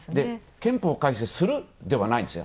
「憲法改正する」ではないんですね。